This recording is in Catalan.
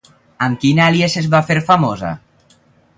Amb quin àlies es va fer famosa?